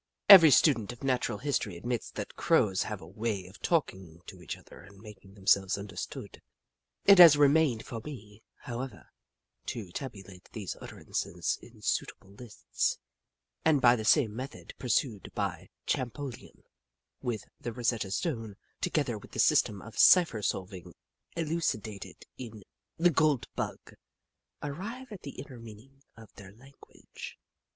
Every student of Natural History admits that Crows have a way of talking to each other and making them selves understood. It has remained for me, however, to tabulate these utterances in suit able lists, and by the same method pursued by Champollion with the Rosetta Stone, together with the system of cipher solving elucidated in The Gold Bug, arrive at the inner meaning of their language.